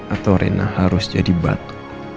atau rena harus jadi batu